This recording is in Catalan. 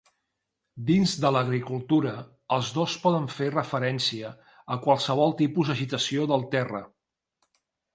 Dins de l'agricultura, els dos poden fer referència a qualsevol tipus d'agitació del terra.